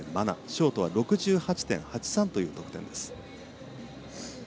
ショートは６８．８３という得点。